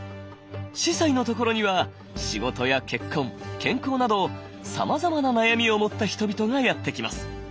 司祭のところには仕事や結婚健康などさまざまな悩みを持った人々がやって来ます。